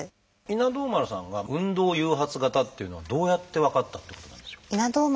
稲童丸さんが運動誘発型っていうのはどうやって分かったっていうことなんでしょう？